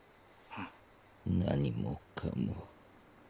何もかも。